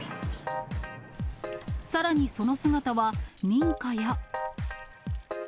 さらにその姿は民家や。